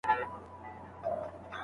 یو یې ناسا لپاره ځانګړی ماموریت لري.